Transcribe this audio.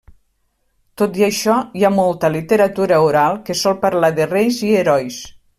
Tot i això, hi ha molta literatura oral que sol parlar de reis i herois.